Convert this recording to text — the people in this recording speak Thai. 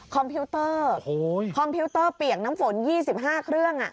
พิวเตอร์คอมพิวเตอร์เปียกน้ำฝน๒๕เครื่อง